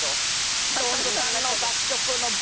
ＳｉｘＴＯＮＥＳさんの楽曲のＶ。